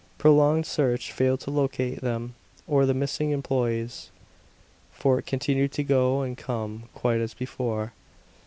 Prolonged search failed to locate them, or the missing employees. Fort continued to go and come quite as before.